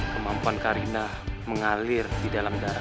kemampuan karina mengalir di dalam darah alina